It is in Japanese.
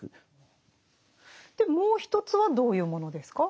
でもう一つはどういうものですか？